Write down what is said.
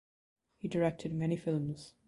He directed many films.